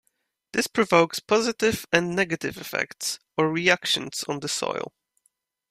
This provokes positive and negative effects or reactions on the soil.